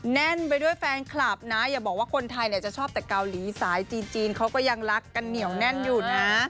แน่นไปด้วยแฟนคลับนะอย่าบอกว่าคนไทยเนี่ยจะชอบแต่เกาหลีสายจีนเขาก็ยังรักกันเหนียวแน่นอยู่นะ